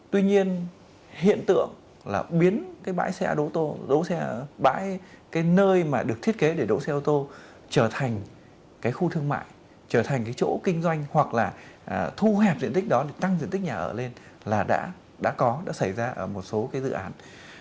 tuy nhiên hiện tượng là biến cái bãi xe đố tô đỗ xe bãi cái nơi mà được thiết kế để đỗ xe ô tô trở thành cái khu thương mại trở thành cái chỗ kinh doanh hoặc là thu hẹp diện tích đó để tăng diện tích nhà ở lên là đã có đã xảy ra ở một số cái dự án